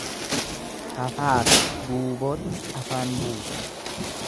Fafaafi guubootti afaan buusa.